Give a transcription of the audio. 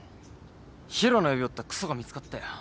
ヒロの指折ったクソが見つかったよ。